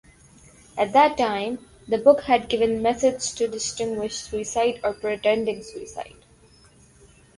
At that time, the book had given methods to distinguish suicide or pretending suicide.